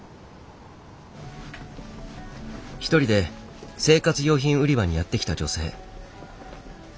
一人で生活用品売り場にやって来た女性。